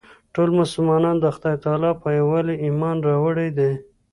ټولو مسلمانانو د خدای تعلی په یووالي ایمان راوړی دی.